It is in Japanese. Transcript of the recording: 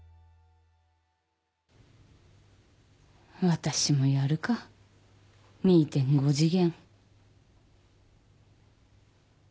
私もやるか２．５次元。